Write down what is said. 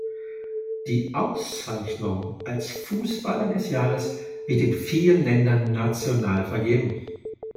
Die Auszeichnung als "Fußballer des Jahres" wird in vielen Ländern national vergeben.